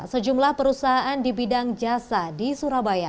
sejumlah perusahaan di bidang jasa di surabaya